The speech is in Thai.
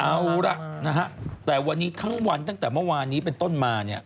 เอาล่ะนะฮะแต่วันนี้ทั้งวันตั้งแต่เมื่อวานนี้เป็นต้นมาเนี่ย